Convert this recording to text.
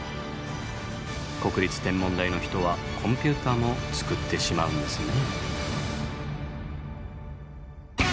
国立天文台の人はコンピューターも作ってしまうんですね。